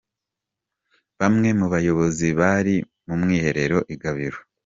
Bamwe mu bayobozi bari mu mwiherero i Gabiro.